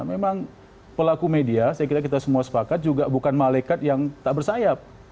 memang pelaku media saya kira kita semua sepakat juga bukan malaikat yang tak bersayap